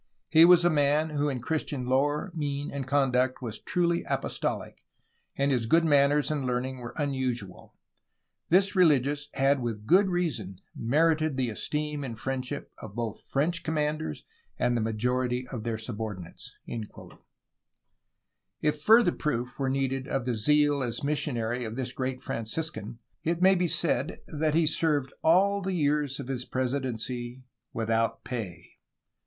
He was a man who FERMiN FRANCISCO DE LASUfiN 381 in Christian lore, mien, and conduct was truly apostolic, and his good manners and learning were unusual. This religious had with good reason merited the esteem and friendship of both French commanders and the majority of their subordinates." If further proof were needed of the zeal as a missionary of this great Franciscan it may be said that he served all the years of his presidency without pay.